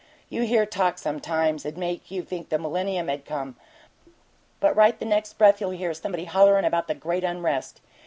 You hear talk, sometimes, 'd make you think the millennium had come but right the next breath you'll hear somebody hollerin' about 'the great unrest.'